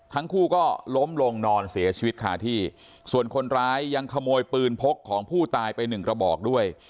ทั้งคู่ก็ล้มลงนอนเสียชีวิตคาที่ส่วนคนร้ายยังขโมยปืนพกของผู้ตายไปหนึ่งกระบอกด้วย